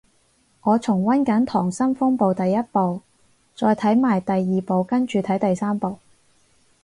我重溫緊溏心風暴第一部，再睇埋第二部跟住睇第三部